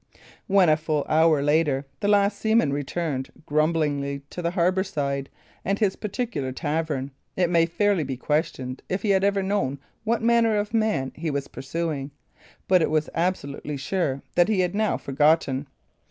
When, a full hour later, the last seaman returned grumblingly to the harbour side and his particular tavern, it may fairly be questioned if he had ever known what manner of man he was pursuing, but it was absolutely sure that he had now forgotten.